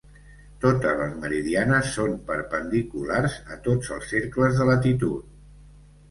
Totes les meridianes són perpendiculars a tots els cercles de latitud.